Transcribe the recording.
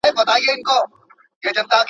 هغه په خپلو خبرو کي ډاډه نه و.